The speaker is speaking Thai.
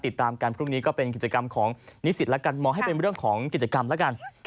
ติดตามกันพรุ่งนี้ก็เป็นกิจกรรมของนิสิตแล้วกันมองให้เป็นเรื่องของกิจกรรมแล้วกัน